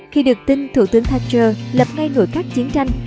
khi được tin thủ tướng thatcher lập ngay nội các chiến tranh